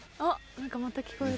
何かまた聞こえる。